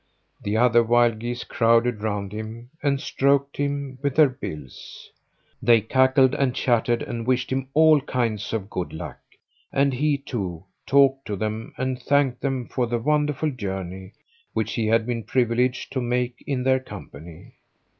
The other wild geese crowded round him and stroked him with their bills. They cackled and chattered and wished him all kinds of good luck, and he, too, talked to them and thanked them for the wonderful journey which he had been privileged to make in their company.